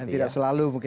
tidak selalu mungkin